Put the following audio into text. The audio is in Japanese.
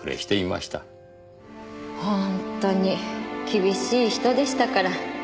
本当に厳しい人でしたから。